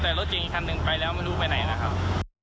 แต่รถเก่งอีกคันหนึ่งไปแล้วไม่รู้ไปไหนนะครับ